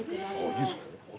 いいですか？